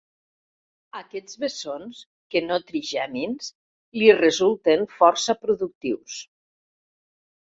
Aquests bessons, que no trigèmins, li resulten força productius.